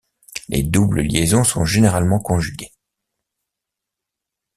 Les doubles liaisons sont généralement conjuguées.